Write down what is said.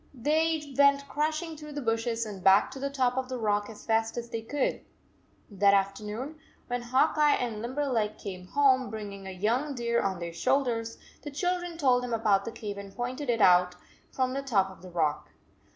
They went crashing through the bushes and back to the top of the rock as fast as they could go. That afternoon, when Hawk Eye and Limberleg came home, bringing a young deer on their shoulders, the children told them about the cave and pointed it out from the top of the rock.